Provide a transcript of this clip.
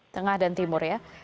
tengah dan timur ya